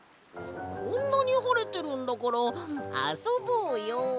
こんなにはれてるんだからあそぼうよ！